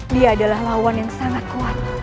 dia adalah lawan yang sangat kuat